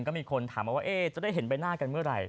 ก็มีคนถามมาว่าจะได้เห็นใบหน้ากันเมื่อไหร่